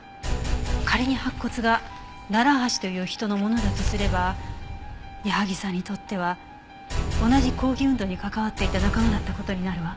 仮に白骨が楢橋という人のものだとすれば矢萩さんにとっては同じ抗議運動に関わっていた仲間だった事になるわ。